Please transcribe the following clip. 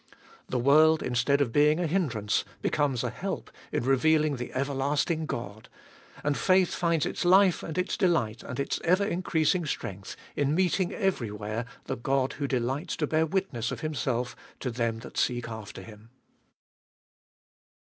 The world, instead of being a hindrance, becomes a help in revealing the everlasting God. And faith finds its life and its delight and its ever increasing strength in meeting everywhere the God who delights to bear witness of Himself to them that seek after Him.